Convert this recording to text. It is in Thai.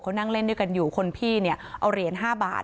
เขานั่งเล่นด้วยกันอยู่คนพี่เนี่ยเอาเหรียญ๕บาท